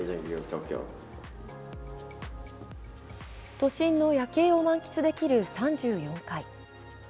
都心の夜景を満喫できる３４階。